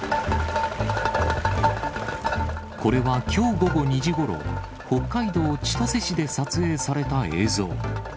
これは、きょう午後２時ごろ、北海道千歳市で撮影された映像。